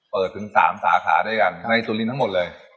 ถึง๓สาขาด้วยกันในสุรินทร์ทั้งหมดเลย